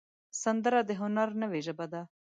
سندره د هنر نوې ژبه ده